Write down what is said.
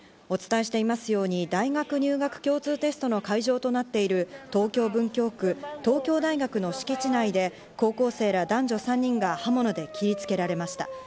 お伝えしていますように、大学入学共通テストの会場となっている東京文京区・東京大学の敷地内で高校生ら男女３人が刃物で切りつけられました。